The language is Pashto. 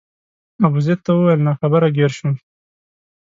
ابوزید ته وویل ناخبره ګیر شوم.